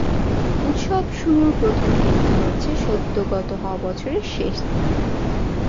উৎসব শুরুর প্রথম দিনটি হচ্ছে সদ্য গত হওয়া বছরের শেষ দিন।